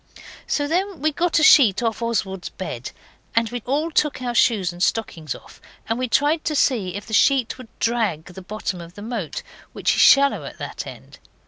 So then we got a sheet off Oswald's bed, and we all took our shoes and stockings off, and we tried to see if the sheet would drag the bottom of the moat, which is shallow at that end.